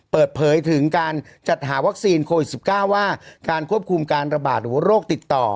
เปิดเผยถึงการจัดหาวัคซีนโควิด๑๙ว่าการควบคุมการระบาดหรือโรคติดต่อ